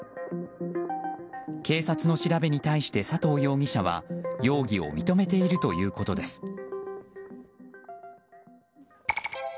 警察の調べに対して佐藤容疑者は容疑を認めているということです。